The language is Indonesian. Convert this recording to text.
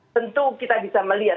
tentu kita bisa melihat